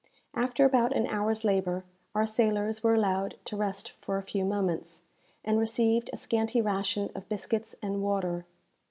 After about an hour's labour, our sailors were allowed to rest for a few moments, and received a scanty ration of biscuits and water.